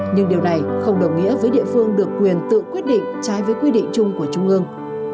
nhưng điều này không đồng nghĩa với địa phương được quyền tự quyết định trái với quy định chung của trung ương